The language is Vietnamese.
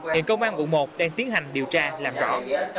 hiện công an quận một đang tiến hành điều tra làm rõ